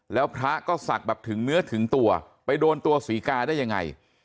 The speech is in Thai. แล้วพระก็ศักดิ์แบบถึงเนื้อถึงตัวไปโดนตัวศรีกาได้ยังไง